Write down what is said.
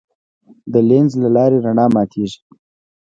د لینز له لارې رڼا ماتېږي.